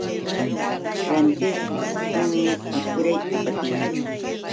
Rantiqpis kanmi apuray apatii.